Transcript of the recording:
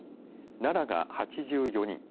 奈良が８４人